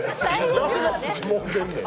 誰が乳もんでんねん！